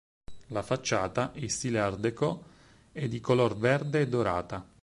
La facciata, in stile art déco, è di color verde e dorata.